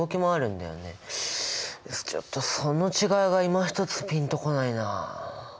ちょっとその違いがいまひとつピンとこないな。